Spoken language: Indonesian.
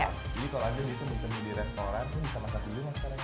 jadi kalau aja gitu mungkin di restoran tuh bisa masak dulu mas karenanya